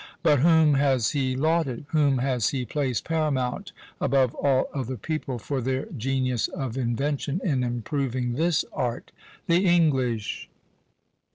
But whom has he lauded? whom has he placed paramount, above all other people, for their genius of invention in improving this art! The English!